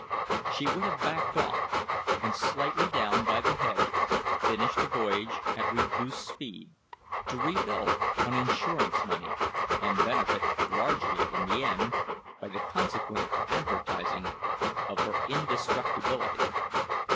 She would have backed off, and, slightly down by the head, finished the voyage at reduced speed, to rebuild on insurance money, and benefit, largely, in the end, by the consequent advertising of her indestructibility.